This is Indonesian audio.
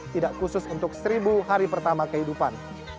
tidak khusus untuk seribu hari pertama kehidupan